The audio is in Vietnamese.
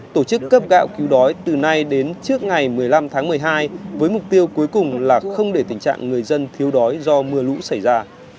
tổ chức cấp gạo cứu đói từ nay đến trước ngày một mươi năm tháng một mươi hai với mục tiêu cuối cùng là không để tình trạng người dân thiếu đói do mưa lũ xảy ra